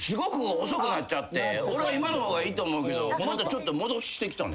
俺は今の方がいいと思うけどちょっと戻してきたね。